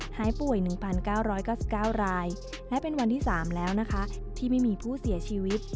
หายป่วย๑๙๙๙รายและเป็นวันที่๓แล้วนะคะที่ไม่มีผู้เสียชีวิต